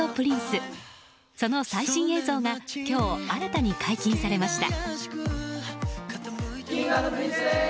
その最新映像が今日、新たに解禁されました。